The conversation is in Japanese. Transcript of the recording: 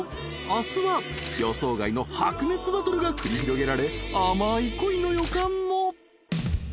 ［明日は予想外の白熱バトルが繰り広げられ甘い恋の予感も］